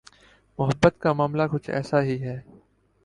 محبت کا معاملہ کچھ ایسا ہی ہے۔